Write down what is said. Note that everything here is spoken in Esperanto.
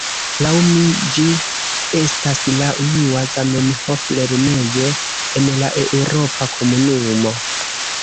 Laŭ mi, ĝi estas la unua Zamenhof-lernejo en la Eŭropa Komunumo.